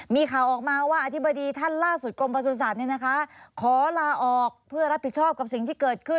มีข่าวออกมาว่าอธิบดีท่านล่าสุดกรมประสุทธิ์ขอลาออกเพื่อรับผิดชอบกับสิ่งที่เกิดขึ้น